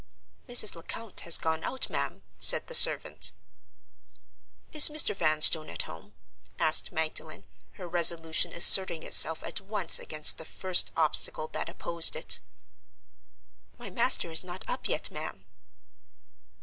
"Mrs. Lecount has gone out, ma'am," said the servant. "Is Mr. Vanstone at home?" asked Magdalen, her resolution asserting itself at once against the first obstacle that opposed it. "My master is not up yet, ma'am."